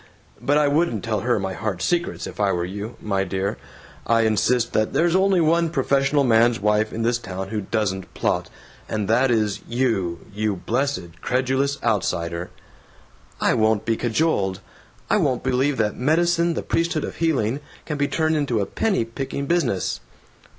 But I wouldn't tell her my heart's secrets if I were you, my dear. I insist that there's only one professional man's wife in this town who doesn't plot, and that is you, you blessed, credulous outsider!" "I won't be cajoled! I won't believe that medicine, the priesthood of healing, can be turned into a penny picking business."